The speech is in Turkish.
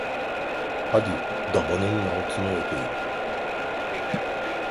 Hadi, dabanının altını öpeyim…